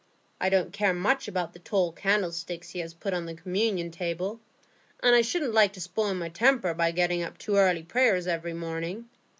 I don't care much about the tall candlesticks he has put on the communion table, and I shouldn't like to spoil my temper by getting up to early prayers every morning.